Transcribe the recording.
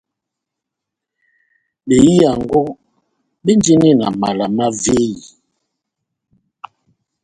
Behiyaango béndini na mala má véyi,